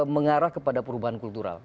mengarah kepada perubahan kultural